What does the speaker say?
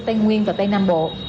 tây nguyên và tây nam bộ